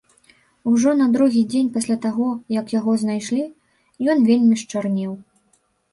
Ужо на другі дзень пасля таго, як яго знайшлі, ён вельмі счарнеў.